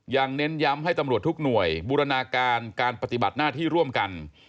เน้นย้ำให้ตำรวจทุกหน่วยบูรณาการการปฏิบัติหน้าที่ร่วมกัน